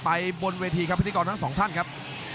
บนเวทีครับพิธีกรทั้งสองท่านครับ